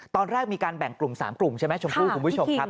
ตอนแรกมีการแบ่งกลุ่ม๓กลุ่มใช่ไหมชมพู่คุณผู้ชมครับ